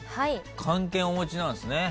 漢検お持ちなんすね。